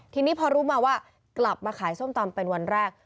ทีนี้พอรู้มาว่ากลับมาขายส้มตำเป็นวันแรก